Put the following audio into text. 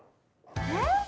えっ？